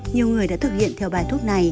nhiều người đã thực hiện theo bài thuốc